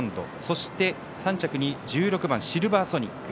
そして、３着に１６番、シルヴァーソニック。